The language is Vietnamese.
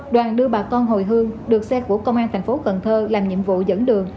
đoàn đưa bà con hồi hương được xe của công an tp cần thơ làm nhiệm vụ dẫn đường